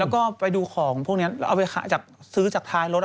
แล้วก็ไปดูของพวกนี้แล้วเอาไปซื้อจากท้ายรถ